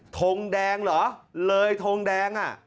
ทงแดงเหรอเลยทงแดงอ่ะ